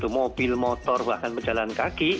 mobil motor bahkan pejalan kaki